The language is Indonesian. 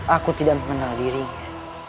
aku tidak mengenal dirinya